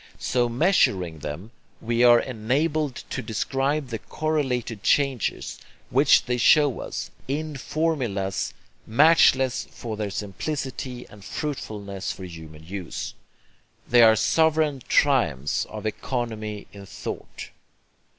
So measuring them, we are enabled to describe the correlated changes which they show us, in formulas matchless for their simplicity and fruitfulness for human use. They are sovereign triumphs of economy in thought.